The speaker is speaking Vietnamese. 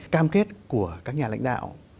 cam kết của các nhà lãnh đạo